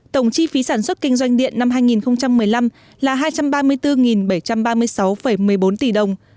tổng chi phí sản xuất kinh doanh điện năm hai nghìn một mươi năm là hai trăm ba mươi bốn bảy trăm ba mươi sáu một mươi bốn tỷ đồng